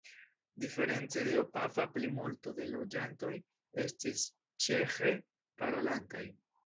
Diference de Opava plimulto de loĝantoj estis ĉeĥe parolantaj.